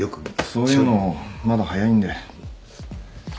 そういうのまだ早いんで。